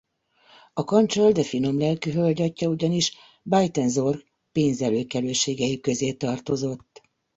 A kancsal, de finom lelkű hölgy atyja ugyanis Buitenzorg pénzelőkelőségei közé tartozott.